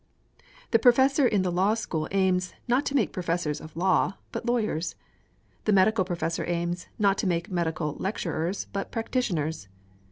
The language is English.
The Professor in the Law School aims, not to make Professors of law, but lawyers. The medical Professor aims, not to make medical lecturers, but practitioners.